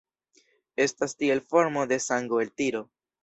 Estas tiel formo de sango-eltiro.